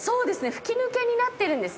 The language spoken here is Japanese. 吹き抜けになってるんですね。